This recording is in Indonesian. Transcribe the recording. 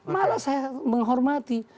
malah saya menghormati